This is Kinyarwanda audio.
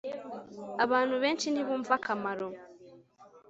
Abantu benshi ntibumva akamaro